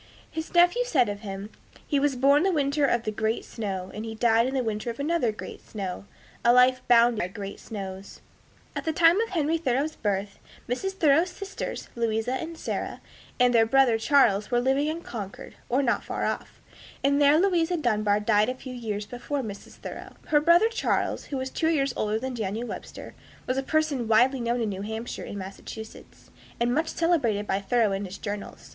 His nephew said of him, "He was born the winter of the great snow, and he died in the winter of another great snow, a life bounded by great snows." At the time of Henry Thoreau's birth, Mrs. Thoreau's sisters, Louisa and Sarah, and their brother Charles were living in Concord, or not far off, and there Louisa Dunbar died a few years before Mrs. Thoreau. Her brother Charles, who was two years older than Daniel Webster, was a person widely known in New Hampshire and Massachusetts, and much celebrated by Thoreau in his journals.